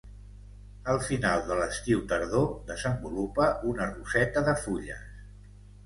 Al final de l'estiu-tardor desenvolupa una roseta de fulles.